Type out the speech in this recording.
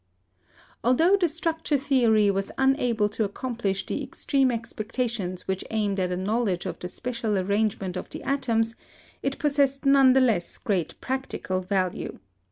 Altho the structure theory was unable to accomplish the extreme expectations which aimed at a knowledge of the spacial arrangement of the atoms, it possessed none the less great practical value.